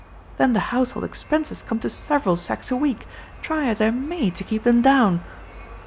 Then the household expenses come to several sacks a week, try as I may to keep them down!"